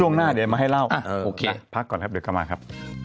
หน้าเดี๋ยวมาให้เล่าโอเคพักก่อนครับเดี๋ยวกลับมาครับ